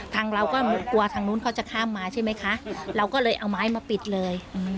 ทางเราก็กลัวทางนู้นเขาจะข้ามมาใช่ไหมคะเราก็เลยเอาไม้มาปิดเลย